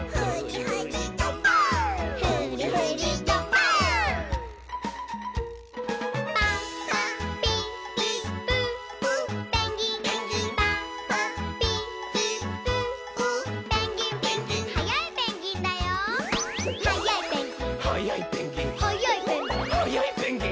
「はっやいペンギン」